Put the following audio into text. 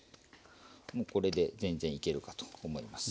もうこれで全然いけるかと思います。